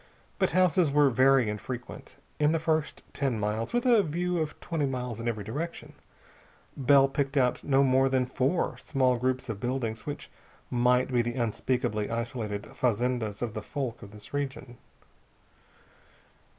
But houses were very infrequent. In the first ten miles with a view of twenty miles in every direction Bell picked out no more than four small groups of buildings which might be the unspeakably isolated fazendas of the folk of this region.